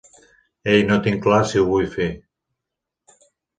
Ei, no tinc clar si ho vull fer.